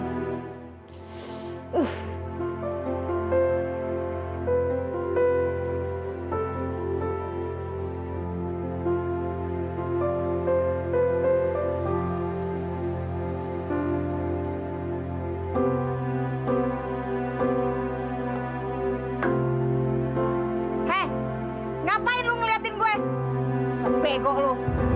hai ngapain ngeliatin gue sebegoh lo